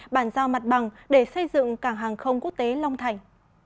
bàn giao mặt bằng để xây dựng cảng hàng không quốc tế long thành